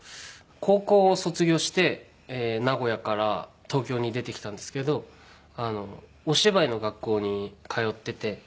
高校を卒業して名古屋から東京に出てきたんですけどお芝居の学校に通ってて。